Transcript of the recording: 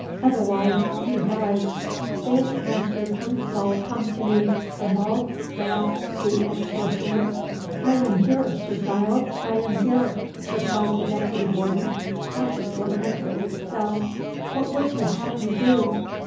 Otherwise you die." "Bid Master Tunstall come to me, Grimbald," gasped the extortioner. "I am here, Sir Giles, I am here," replied the deputy warden, cautiously entering the cell. "What would you have me do?"